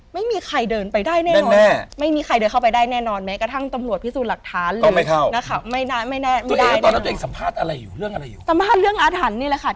มีคนตายายมาอยู่ตรงนี้เหมือนกันน่ะ